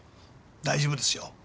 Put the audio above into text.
大丈夫ですよ！